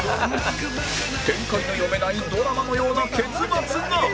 展開の読めないドラマのような結末が！